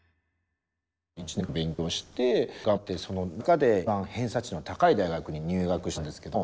１年間勉強してである程度頑張ってその中で一番偏差値の高い大学に入学したんですけども。